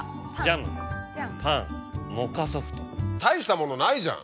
大したものないじゃん。